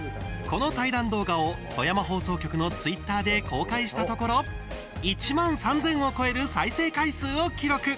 この対談動画を富山放送局のツイッターで公開したところ１万３０００を超える再生回数を記録。